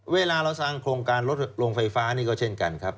เวลาเราสร้างโครงการลดลงไฟฟ้านี่ก็เช่นกันครับ